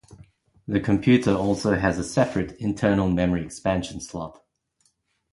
The computer also has a separate, internal memory-expansion slot.